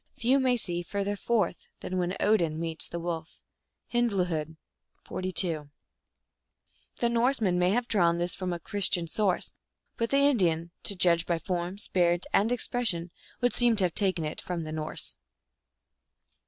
Few may see < further forth than when Odin meets the wolf." (HindluLod, 42.) 134 THE ALGONQUIN LEGENDS. The Norsemen may have drawn this from a Chris tian source ; but the Indian, to judge by form, spirit, and expression, would seem to have taken it from the Norse.